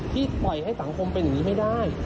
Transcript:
พี่ปล่อยศักดิ์สังคมให้อย่างนี้ไม่ได้